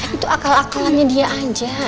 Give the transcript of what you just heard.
itu akal akalannya dia aja